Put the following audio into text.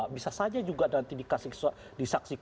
bisa saja juga nanti dikasih di saksi satu